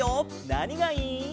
なにがいい？